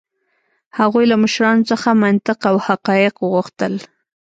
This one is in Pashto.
هغوی له مشرانو څخه منطق او حقایق غوښتل.